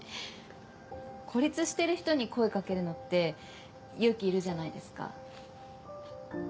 孤立してる人に声掛けるのって勇気いるじゃないですか。